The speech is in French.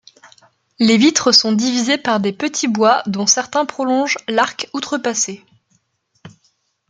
Les vitres sont divisées par des petits bois dont certains prolongent l'arc outrepassé.